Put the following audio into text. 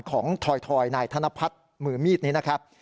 ถอยนายธนพัฒน์มือมีดนี้นะครับ